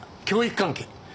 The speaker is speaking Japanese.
教育関係。